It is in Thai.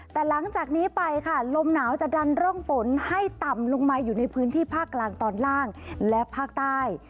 แต่หลังจากนี้ไปค่ะลมหนาวจะดันร่องฝนให้ต่ำลงมาอยู่ในพื้นที่ภาคกลางตอนล่างและภาคใต้